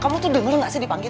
kamu tuh denger gak sih dipanggil